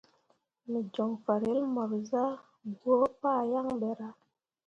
Me joŋ farel mor zah gwǝǝ pah yaŋ ɓe ra.